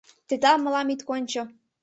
Тетла мылам ит кончо.